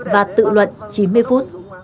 và tự luận chín mươi phút